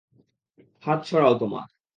হাত সরাও তোমার।